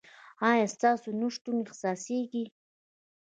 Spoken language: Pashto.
ایا ستاسو نشتون احساسیږي؟